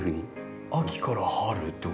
秋から春ってことは。